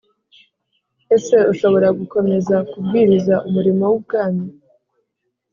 Ese ushobora gukomeza kubwiriza Umurimo w Ubwami